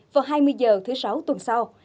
vào hai mươi h thứ sáu tuần sau